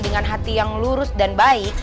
dengan hati yang lurus dan baik